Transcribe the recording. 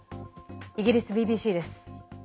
イギリスＢＢＣです。